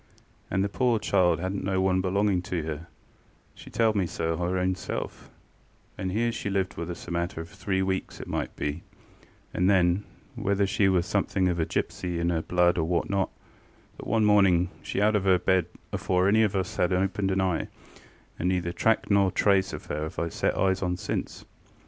And the pore child hadnŌĆÖt no one belonging to herŌĆöshe telled me so her own selfŌĆöand here she lived with us a matter of three weeks it might be; and then, whether she were somethink of a gipsy in her blood or what not, but one morning she out of her bed afore any of us had opened a eye, and neither track nor yet trace of her have I set eyes on since.